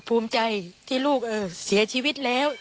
ภูมิใจที่ลูกเสียชีวิตแล้ว